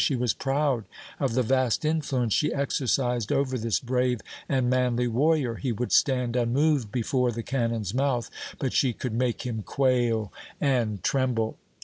She was proud of the vast influence she exercised over this brave and manly warrior. He would stand unmoved before the cannon's mouth, but she could make him quail and tremble!